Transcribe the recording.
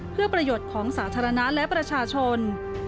เพื่อประโยชน์ของสาธารณะและประชาชน